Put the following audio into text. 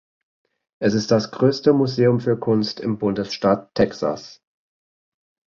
Es ist das größte Museum für Kunst im Bundesstaat Texas.